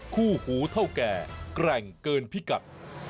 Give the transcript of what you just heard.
คู่หูเท่าแก่แกร่งเกินพิกัด